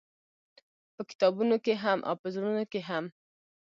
په کتابونو کښې هم او په زړونو کښې هم-